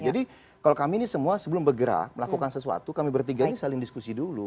jadi kalau kami ini semua sebelum bergerak melakukan sesuatu kami bertiga ini saling diskusi dulu